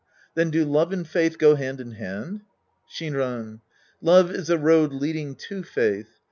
Then do love and faith go hand in hand ? Shinran. Love is a road leading to faith.